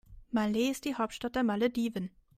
Malé ist die Hauptstadt der Malediven.